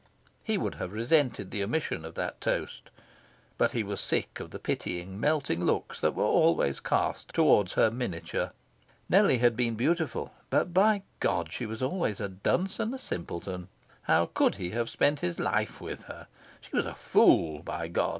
He would have resented the omission of that toast. But he was sick of the pitying, melting looks that were always cast towards her miniature. Nellie had been beautiful, but, by God! she was always a dunce and a simpleton. How could he have spent his life with her? She was a fool, by God!